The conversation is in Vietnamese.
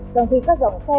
trong khi các dòng xe